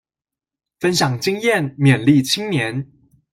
分享經驗勉勵青年